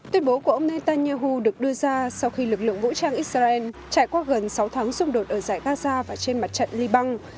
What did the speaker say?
tuyên bố của ông netanyahu được đưa ra sau khi lực lượng vũ trang israel trải qua gần sáu tháng xung đột ở giải gaza và trên mặt trận liban